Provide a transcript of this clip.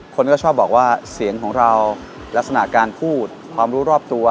คนก็ชอบบอกว่าเสียงของเราลักษณะการพูดความรู้รอบตัว